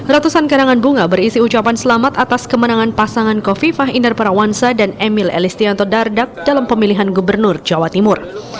ratusan karangan bunga berisi ucapan selamat atas kemenangan pasangan kofifah indar parawansa dan emil elistianto dardak dalam pemilihan gubernur jawa timur